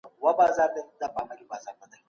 شاه محمود د وزیرانو تر څنګ افغانان وټاکل.